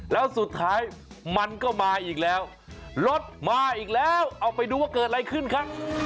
แล้วสุดท้ายมันก็มาอีกแล้วรถมาอีกแล้วเอาไปดูว่าเกิดอะไรขึ้นครับ